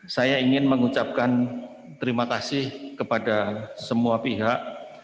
saya ingin mengucapkan terima kasih kepada semua pihak